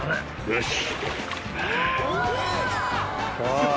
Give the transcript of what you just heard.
よし！